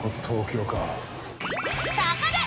東京か